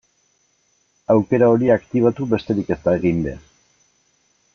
Aukera hori aktibatu besterik ez da egin behar.